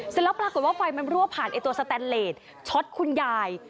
เสร็จแล้วปรากฏว่าไฟมันรั่วผ่านตัวสแตนเลสช็อตคุณยาย